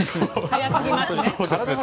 早すぎますね。